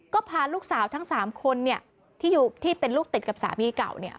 ก็พาลูกสาวทั้ง๓คนที่อยู่ที่เป็นลูกติดกับสามีเก่าเนี่ย